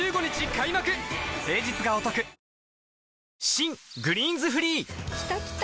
新「グリーンズフリー」きたきた！